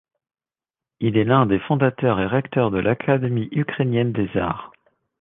Il est l'un des fondateurs et recteur de l'Académie ukrainienne des Arts.